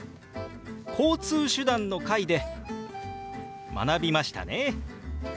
「交通手段」の回で学びましたね。